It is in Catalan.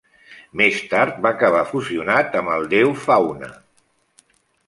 Més tard va acabar fusionat amb el déu Faune.